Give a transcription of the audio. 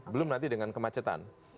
belum nanti dengan kemacetan